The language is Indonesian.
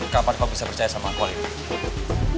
kapan kau bisa percaya sama aku alina